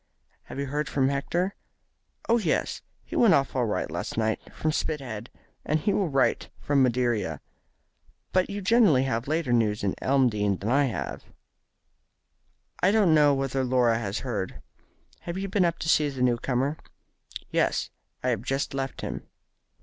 "Have you heard from Hector?" "Oh, yes. He went off all right last Wednesday from Spithead, and he will write from Madeira. But you generally have later news at Elmdene than I have." "I don't know whether Laura has heard. Have you been up to see the new comer?" "Yes; I have just left him."